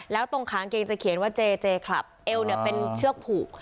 แล้วตรงขางเกงจะเขียนว่าเจเจคลับเอวเนี่ยเป็นเชือกผูก